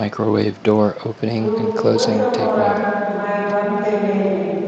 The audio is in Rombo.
Muu weshomra mahemba alimtemeni.